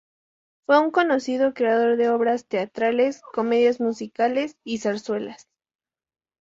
Fue un conocido creador de obras teatrales, comedias musicales y zarzuelas.